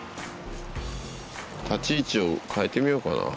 立ち位置を変えてみようかな